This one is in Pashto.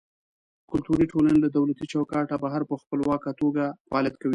کلتوري ټولنې له دولتي چوکاټه بهر په خپلواکه توګه فعالیت کوي.